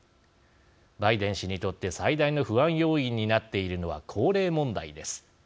バイデン氏にとって最大の不安要因になっているのは高齢問題です。